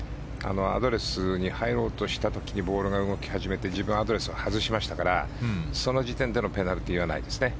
アドレスに入ろうとした時にボールが動き始めて自分アドレスを外しましたからその時点でのペナルティーはないですね。